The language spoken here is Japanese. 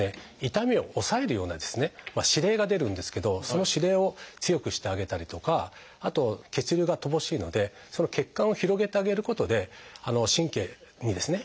痛みを抑えるような指令が出るんですけどその指令を強くしてあげたりとかあと血流が乏しいのでその血管を広げてあげることで神経にですね